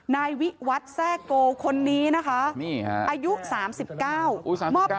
นายวิวัตแซ่โกคนนี้นะคะนี่ค่ะอายุสามสิบเก้าอู้สามสิบเก้า